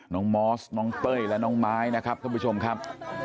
มอสน้องเต้ยและน้องไม้นะครับท่านผู้ชมครับ